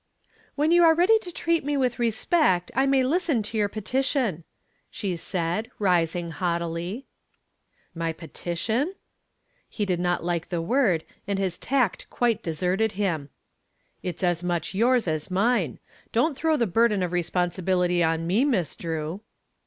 "When you are ready to treat me with respect I may listen to your petition," she said, rising haughtily. "My petition?" He did not like the word and his tact quite deserted him. "It's as much yours as mine. Don't throw the burden of responsibility on me, Miss Drew."